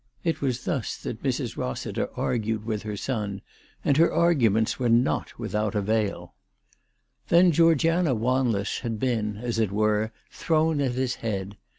It was thus that Mrs. Eossiter argued 364 ALICE DUGDALE. with her son, and her arguments were not without avail. Then Georgiana Wanless had been, as it were, thrown at his head.